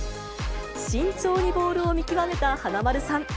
慎重にボールを見極めた華丸さん。